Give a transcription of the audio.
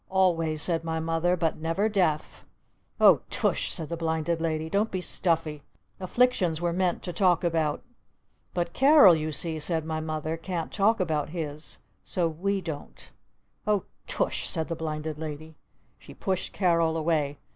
"Always," said my Mother. "But never deaf!" "Oh Tush!" said the Blinded Lady. "Don't be stuffy! Afflictions were meant to talk about!" "But Carol, you see," said my Mother, "can't talk about his! So we don't!" "Oh Tush!" said the Blinded Lady. She pushed Carol away.